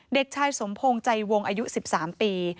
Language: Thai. เด็กชายสมพงศ์ใจวงอายุ๑๓ปี